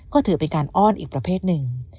ก็ถือเป็นการอ้อนอีกประเภทหนึ่ง